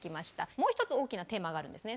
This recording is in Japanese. もう一つ大きなテーマがあるんですね。